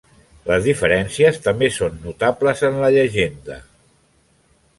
Les diferències també són notables en la llegenda.